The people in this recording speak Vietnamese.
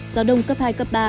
gió đông cấp hai ba